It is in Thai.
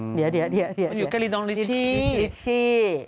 เดี๋ยวอยู่กับลิชชี่ลิชชี่